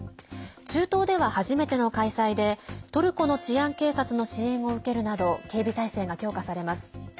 中東では初めての開催でトルコの治安警察の支援を受けるなど警備態勢が強化されます。